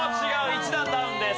１段ダウンです